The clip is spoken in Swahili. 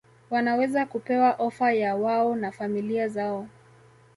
wanaweza kupewa ofa yawao na familia zao